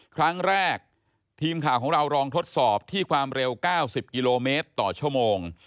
ครั้งแรกทีมข่าวของเราลองทดสอบที่ความเร็ว๙๐กิโลเมตรต่อชั่วโมง